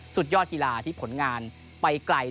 สุดยอดกีฬาที่ผลงานไปไกล